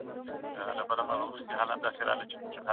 ایا کار ته دوام ورکړو؟